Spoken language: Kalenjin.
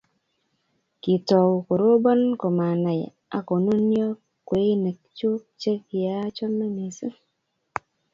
Kitou koroban kumanai akonunio kweinik chuk che kiachome mising